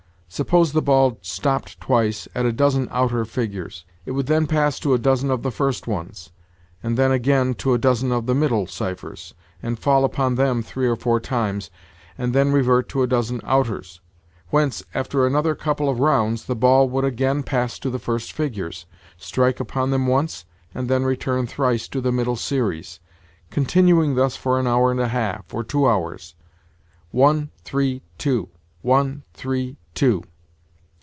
Suppose the ball stopped twice at a dozen outer figures; it would then pass to a dozen of the first ones, and then, again, to a dozen of the middle ciphers, and fall upon them three or four times, and then revert to a dozen outers; whence, after another couple of rounds, the ball would again pass to the first figures, strike upon them once, and then return thrice to the middle series—continuing thus for an hour and a half, or two hours. One, three, two: one, three, two.